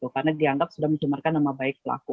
karena dianggap sudah pencemaran nama baik pelaku